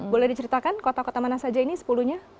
boleh diceritakan kota kota mana saja ini sepuluh nya